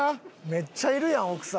めっちゃいるやん奥様。